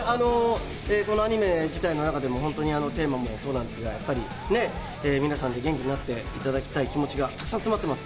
このアニメ自体の中でもテーマもそうですけど、やっぱりね、皆さん、元気になっていただきたい気持ちが沢山詰まってます。